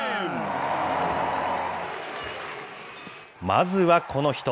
まずはこの人。